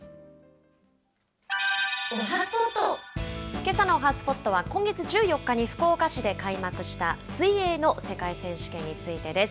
けさのおはＳＰＯＴは今月１４日に福岡市で開幕した水泳の世界選手権についてです。